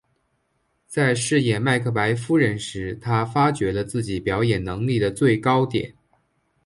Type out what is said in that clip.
在饰演麦克白夫人时她发觉了自己表演能力的最高点。